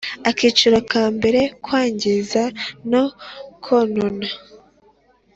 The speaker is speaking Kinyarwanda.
Akiciro ka mbere Kwangiza no konona